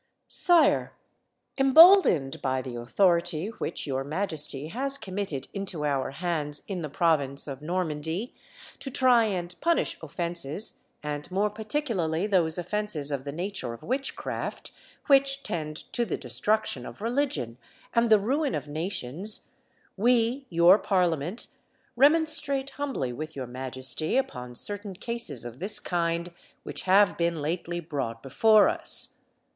"SIRE, Emboldened by the authority which your majesty has committed into our hands in the province of Normandy, to try and punish offences, and more particularly those offences of the nature of witchcraft, which tend to the destruction of religion and the ruin of nations, we, your parliament, remonstrate humbly with your majesty upon certain cases of this kind which have been lately brought before us.